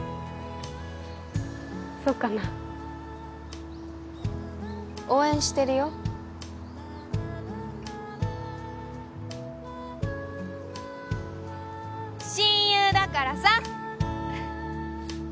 そうかな応援してるよ親友だからさ！